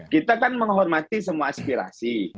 kita kan menghormati semua aspirasi